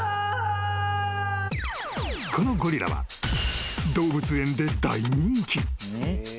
［このゴリラは動物園で大人気］